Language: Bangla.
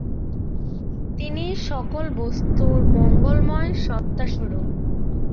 তিনিই সকল বস্তুর মঙ্গলময় সত্তাস্বরূপ।